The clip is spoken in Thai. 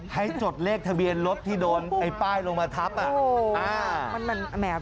จดเลขทะเบียนรถที่โดนไอ้ป้ายลงมาทับอ่ะ